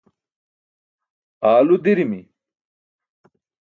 aalu dirimi